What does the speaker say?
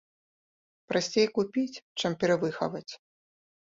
Прасцей купіць, чым перавыхаваць?